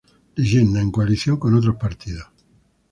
Leyenda: En coalición con otros partidos.